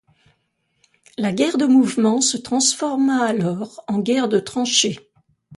La guerre de mouvement se transforma alors en guerre de tranchées.